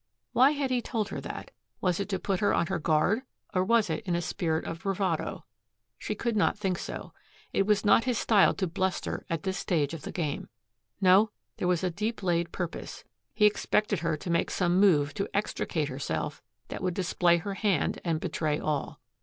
Why had he told her that? Was it to put her on her guard or was it in a spirit of bravado? She could not think so. It was not his style to bluster at this stage of the game. No, there was a deep laid purpose. He expected her to make some move to extricate herself that would display her hand and betray all.